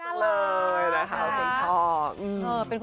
น่ารัก